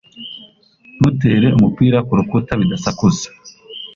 Ntutere umupira kurukuta bidasakuza.